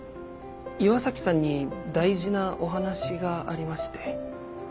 岩崎さんに大事なお話がありまして。